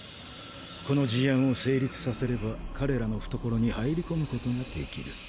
この事案を成立させれば彼らの懐に入り込むことができる。